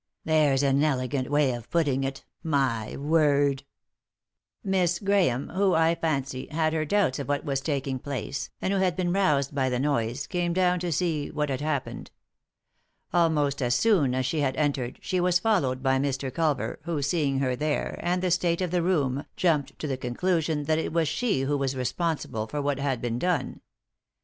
"There's an elegant way of putting it I — my word I "" Miss Grahame, who, I fancy, had her doubts of what was taking place, and who had been roused by 323 3i 9 iii^d by Google THE INTERRUPTED KISS the noise, came down to see what had happened. Almost as soon as she bad entered she was followed by Mr. Culver, who seeing her there, and the state of the room, jumped to the conclusion that it was she who was responsible for what had been done.